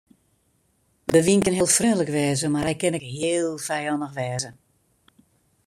De wyn kin heel freonlik wêze mar hy kin ek heel fijannich wêze.